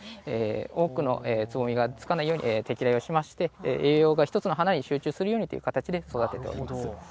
多くのつぼみがつかないように栄養が１つの花に集中するようにという形で育てています。